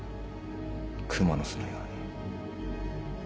クモの巣のように。